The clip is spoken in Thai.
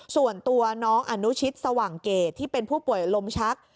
ส่วนตัวน้องอนุชิตสว่างเกตที่เป็นผู้ป่วยลมชัก